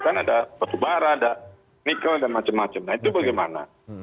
kan ada batu bara ada nikel dan macam macam nah itu bagaimana